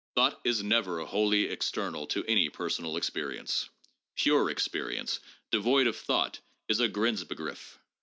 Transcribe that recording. Thought is never wholly external to any personal experience. 'Pure' experience devoid of thought is a Grenzbegriff.